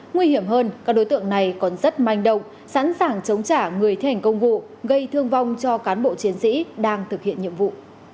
nguy hiểm hơn các đối tượng này còn rất manh động sẵn sàng chống trả người thi hành công vụ gây thương vong cho cán bộ chiến sĩ đang thực hiện nhiệm vụ